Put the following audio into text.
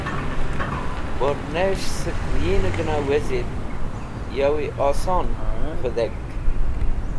Bornis sẽk wẽyinẽ gẽna wezit yawi oson vẽdẽk.